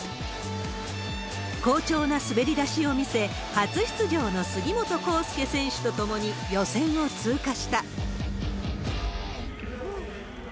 好調な滑り出しを見せ、初出場の杉本幸祐選手とともに予選を通過した。